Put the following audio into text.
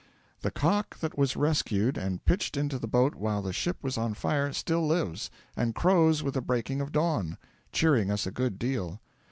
'The cock that was rescued and pitched into the boat while the ship was on fire still lives, and crows with the breaking of dawn, cheering us a good deal.'